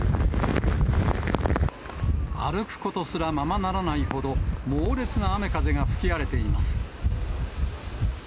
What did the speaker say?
歩くことすらままならないほど、猛烈な雨風が吹き荒れています。